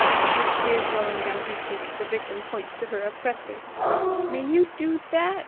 With tears rolling down her cheeks the victim points to her oppressor. "May you do that?"